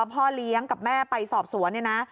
พ่อเลี้ยงกับแม่ไปสอบสวนเนี่ยนะ